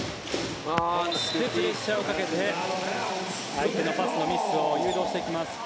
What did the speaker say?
プレッシャーをかけて相手のパスのミスを誘導していきます。